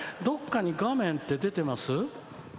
どっかに画面って出てます？